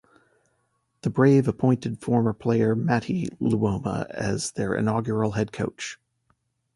The Brave appointed former player Matti Luoma as their inaugural head coach.